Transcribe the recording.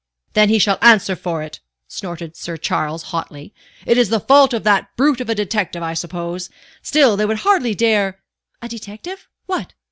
"Then he shall answer for it," snorted Sir Charles, hotly. "It is the fault of that brute of a detective, I suppose. Still they would hardly dare " "A detective? What?